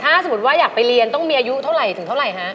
ถ้าสมมุติว่าอยากไปเรียนต้องมีอายุเท่าไหร่ถึงเท่าไหร่ฮะ